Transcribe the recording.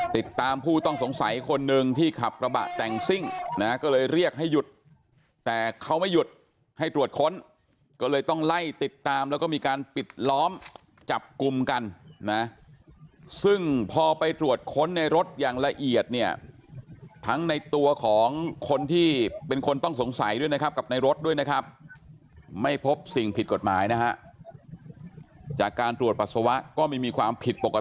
ติดตามผู้ต้องสงสัยคนหนึ่งที่ขับกระบะแต่งซิ่งนะก็เลยเรียกให้หยุดแต่เขาไม่หยุดให้ตรวจค้นก็เลยต้องไล่ติดตามแล้วก็มีการปิดล้อมจับกลุ่มกันนะซึ่งพอไปตรวจค้นในรถอย่างละเอียดเนี่ยทั้งในตัวของคนที่เป็นคนต้องสงสัยด้วยนะครับกับในรถด้วยนะครับไม่พบสิ่งผิดกฎหมายนะฮะจากการตรวจปัสสาวะก็ไม่มีความผิดปกติ